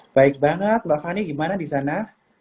baik banget mbak fani gimana di sana